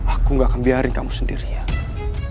aku gak akan biarin kamu sendirian